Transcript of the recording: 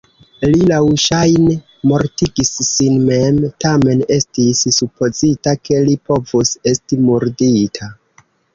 Li laŭŝajne mortigis sin mem, tamen estis supozita ke li povus esti murdita.